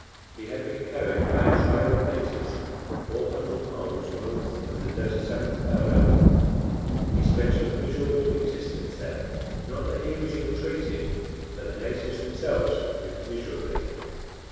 He had been carried by a tribe of natives four hundred miles north of the 37th parallel. He spent a miserable existence there not that he was ill treated, but the natives themselves lived miserably.